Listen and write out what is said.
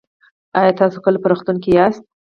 ایا تاسو کله په روغتون کې یاست؟